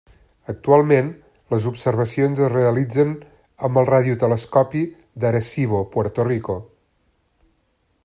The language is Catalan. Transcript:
Actualment les observacions es realitzen amb el radiotelescopi d'Arecibo, Puerto Rico.